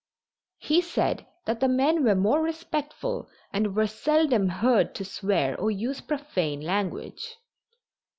He said that the men were more respectful and were seldom heard to swear or use profane language.